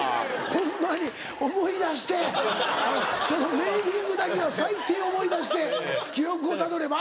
ホンマに思い出してそのネーミングだけは最低思い出して記憶をたどれば。